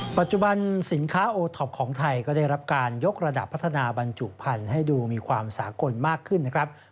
ปัจจุบันสินค้าโอท็อปของไทยก็ได้รับการยกระดับพัฒนาบรรจุพันธุ์ให้ดูมีความสากลมากขึ้นนะครับ